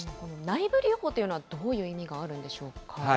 内部留保というのはどういう意味があるんでしょうか。